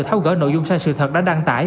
tháo gỡ nội dung sai sự thật đã đăng tải